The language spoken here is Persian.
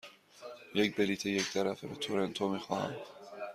یک بلیط یک طرفه به تورنتو می خواهم.